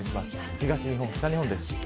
東日本、北日本です。